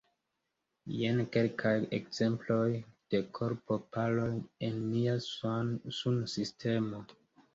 Jen kelkaj ekzemploj de korpo-paroj en nia sunsistemo.